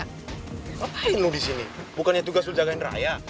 kok lain lu di sini bukannya tugas lu jagain raya